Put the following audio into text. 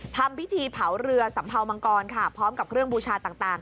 ทำพิธีเผาเรือสัมเภามังกรค่ะพร้อมกับเครื่องบูชาต่าง